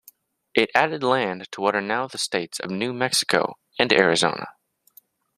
It added land to what are now the states of New Mexico and Arizona.